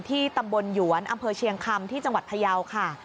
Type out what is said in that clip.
ที่ตำบลหยวนอำเภอเชียงคำที่จังหวัดพยาวค่ะ